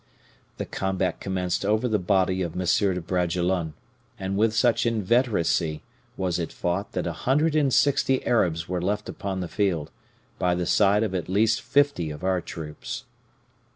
"The combat commenced over the body of M. de Bragelonne, and with such inveteracy was it fought that a hundred and sixty Arabs were left upon the field, by the side of at least fifty of our troops.